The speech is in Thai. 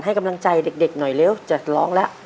ให้กำลังใจเด็กหน่อยเร็วจะร้องแล้ว